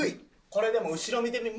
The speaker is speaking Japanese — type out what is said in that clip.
これでも後ろ見てみ。